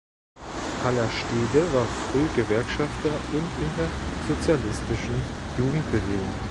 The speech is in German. Hallerstede war früh Gewerkschafter und in der sozialistischen Jugendbewegung.